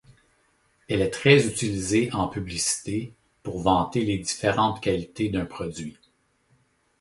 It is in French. Elle est très utilisée en publicité pour vanter les différentes qualités d'un produit.